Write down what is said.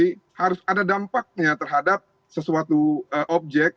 jadi harus ada dampaknya terhadap sesuatu objek